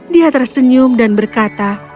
dia tersenyum dan berkata